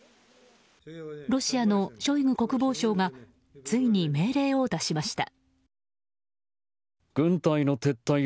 ロシアのショイグ国防相がついに命令を出しました。